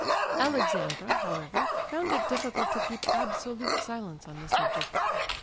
Alexandra, however, found it difficult to keep absolute silence on the subject.